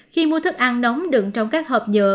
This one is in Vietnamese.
khi mua thức ăn nóng đựng trong các hộp nhựa